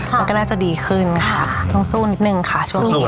มันก็น่าจะดีขึ้นค่ะต้องสู้นิดนึงค่ะช่วงนี้